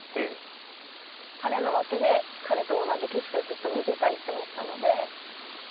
彼の脇で彼と同じ景色をずっと見てたいって思ったので。